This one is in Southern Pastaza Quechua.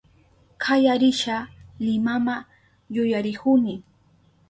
Kaya risha Limama yuyarihuni